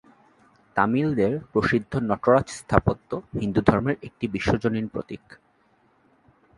তামিলদের প্রসিদ্ধ নটরাজ স্থাপত্য হিন্দুধর্মের একটি বিশ্বজনীন প্রতীক।